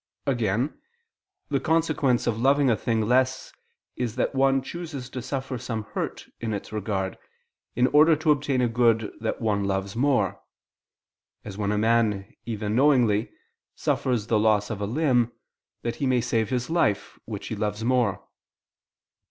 Again, the consequence of loving a thing less is that one chooses to suffer some hurt in its regard, in order to obtain a good that one loves more: as when a man, even knowingly, suffers the loss of a limb, that he may save his life which he loves more.